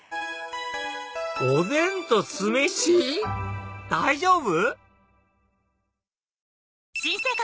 おでんと酢飯⁉大丈夫？